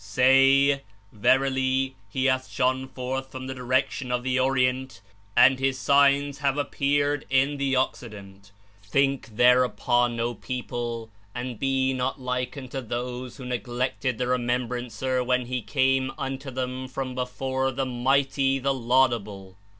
"Say: Verily, He hath shone forth from the direc tion of the Orient, and His Signs have appeared in the Occident. Think thereupon, O people, and be not like unto those who neglected the Remembrancer when He came unto them from before the Mighty, the Laudable.